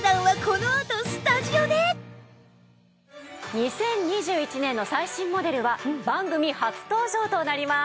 ２０２１年の最新モデルは番組初登場となります。